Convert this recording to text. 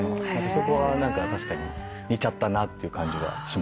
そこは確かに似ちゃったなって感じはしますね。